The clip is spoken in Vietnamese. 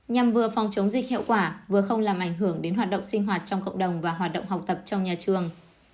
nhằm vừa phòng chống dịch hiệu quả vừa không làm ảnh hưởng đến hoạt động sinh hoạt trong cộng đồng và hoạt động học tập trong nhà trường